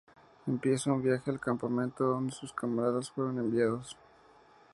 Empieza un viaje al campamento donde sus camaradas fueron enviados.